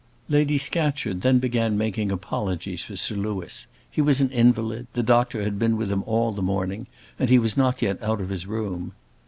Lady Scatcherd then began making apologies for Sir Louis. He was an invalid; the doctor had been with him all the morning, and he was not yet out of his room.